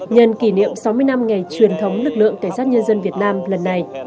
nhân kỷ niệm sáu mươi năm ngày truyền thống lực lượng cảnh sát nhân dân việt nam lần này